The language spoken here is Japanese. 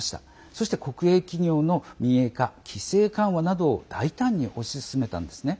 そして、国営企業の民営化規制緩和などを大胆に推し進めたんですね。